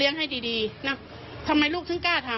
เสพยาเสพติดเข้าไปด้วยไม่อย่างนั้นคงไม่เจอ